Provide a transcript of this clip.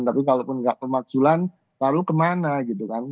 tapi kalau pun gak pemaksulan lalu kemana gitu kan